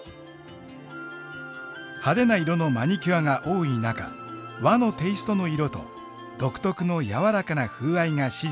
派手な色のマニキュアが多い中和のテイストの色と独特の柔らかな風合いが支持されました。